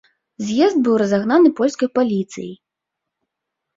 З'езд быў разагнаны польскай паліцыяй.